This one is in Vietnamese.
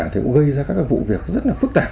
thì cũng gây ra các vụ việc rất là phức tạp